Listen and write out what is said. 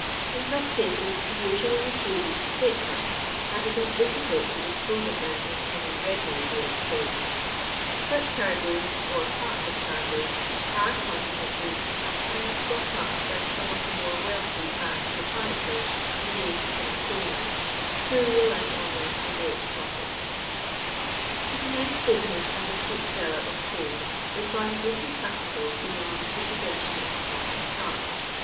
In such cases he usually refuses to take them, and it is difficult to dispose of them in any regular way of trade. Such cargoes, or parts of cargoes, are consequently at times bought up by some of the more wealthy van proprietors engaged in the coal line, who realise on them a great profit To commence business as a street seller of coals requires little capital beyond the possession of a horse and cart.